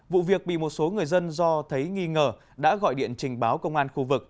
vụ việc bị một số người dân do thấy nghi ngờ đã gọi điện trình báo công an khu vực